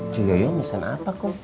cieya mesen apa kum